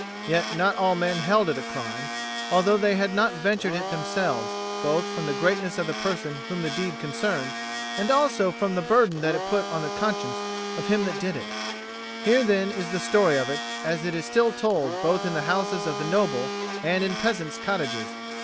Yet not all men held it a crime, although they had not ventured it themselves, both from the greatness of the person whom the deed concerned, and also for the burden that it put on the conscience of him that did it. Here, then, is the story of it, as it is still told both in the houses of the noble and in peasants' cottages.